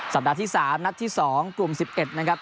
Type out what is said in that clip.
ปัดที่๓นัดที่๒กลุ่ม๑๑นะครับ